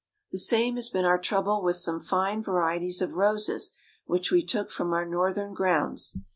The same has been our trouble with some fine varieties of roses which we took from our Northern grounds.